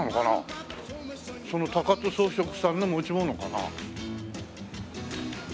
その高津装飾さんの持ち物かな？